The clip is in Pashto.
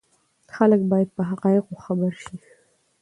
خلک باید په حقایقو خبر شي.